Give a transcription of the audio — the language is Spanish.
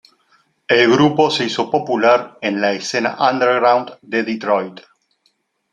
El grupo se hizo popular en la escena underground de Detroit.